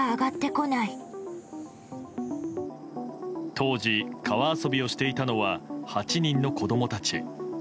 当時、川遊びをしていたのは８人の子供たち。